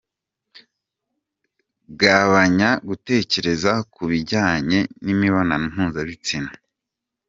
Gabanya gutekereza ku binjyanye n’imibonano mpuzabitsina:.